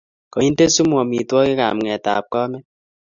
Koinde sumu amitwokik ab nget ab kamet.